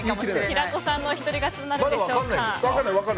平子さんの１人勝ちになるんでしょうか。